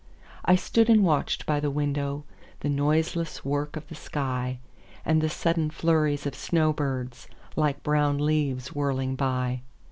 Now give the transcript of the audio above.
I stood and watched by the windowThe noiseless work of the sky, And the sudden flurries of snow birds, Like brown leaves whirling by.